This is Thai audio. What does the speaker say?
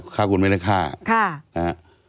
ฆ่าคุณไม่ได้ฆ่า